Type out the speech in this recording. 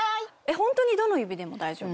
ホントにどの指でも大丈夫？